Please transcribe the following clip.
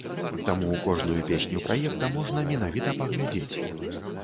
Таму кожную песню праекта можна менавіта паглядзець.